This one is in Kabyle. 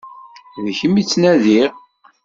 D kemm i ttnadiɣ.